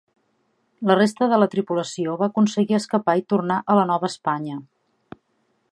La resta de la tripulació va aconseguir escapar i tornar a la Nova Espanya.